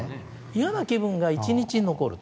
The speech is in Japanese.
嫌な気分が１日残ると。